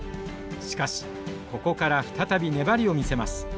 しかしここから再び粘りを見せます。